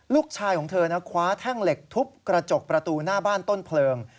ลูกชายของเธอนะคว้าแท่งเหล็กทุบกระจกประตูหน้าบ้านต้นเพลิง